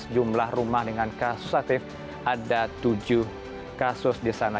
jumlah rumah dengan kasus aktif ada tujuh kasus di sana